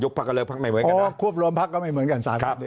ก็ควบรวมภักดิ์ก็ไม่เหมือนกันสาธารณะ